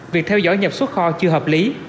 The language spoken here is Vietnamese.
việc theo dõi nhập xuất kho chưa hợp lý